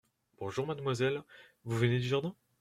Bonjour, mademoiselle : vous venez du jardin ?